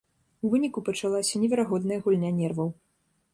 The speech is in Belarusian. У выніку пачалася неверагодная гульня нерваў.